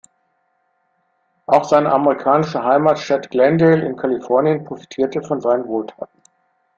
Auch seine amerikanische Heimatstadt Glendale in Kalifornien profitierte von seinen Wohltaten.